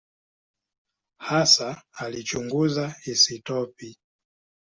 Hasa alichunguza isotopi.